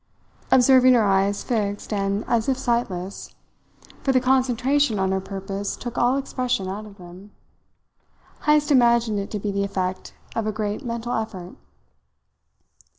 Observing her eyes fixed and as if sightless for the concentration on her purpose took all expression out of them Heyst imagined it to be the effect of a great mental effort.